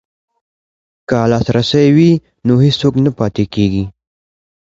که لاسرسی وي نو څوک نه پاتې کیږي.